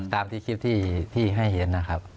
ตามที่คลิปที่ให้เห็นนะครับ